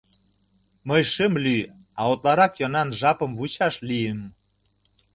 Мый шым лӱй, а утларак йӧнан жапым вучаш лийым.